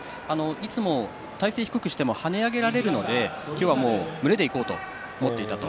いつも体勢を低くしても跳ね上げられるので今日は胸でいこうと思っていたと。